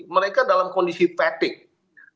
mereka dalam kondisi fatigue